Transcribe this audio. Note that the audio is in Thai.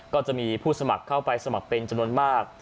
ก็จะมีผู้สมัครเข้าไปสมัครเป็นจำนวนมาก